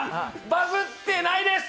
バズってないです！